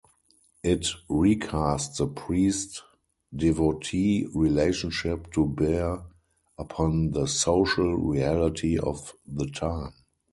It recast the priest-devotee relationship to bear upon the social reality of the time.